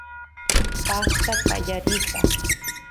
paqta qaya risaq